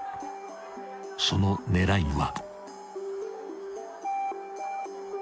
［その狙いは？］